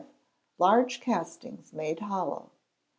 Large Castings made Hollow.